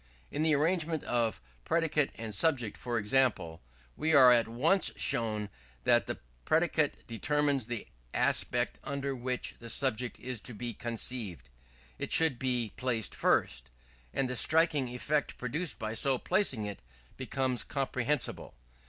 In the arrangement of predicate and subject, for example, we are at once shown that as the predicate determines the aspect under which the subject is to be conceived, it should be placed first; and the striking effect produced by so placing it becomes comprehensible.